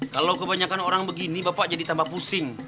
kalau kebanyakan orang begini bapak jadi tambah pusing